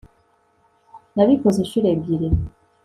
nabikoze inshuro ebyiri